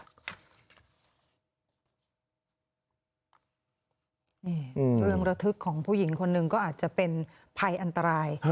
นี่เรื่องระทึกของผู้หญิงคนหนึ่งก็อาจจะเป็นภัยอันตราย